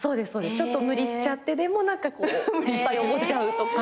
ちょっと無理しちゃってでもいっぱいおごっちゃうとか。